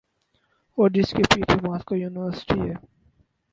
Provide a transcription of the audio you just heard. اورجس کے پیچھے Moscow university ہے۔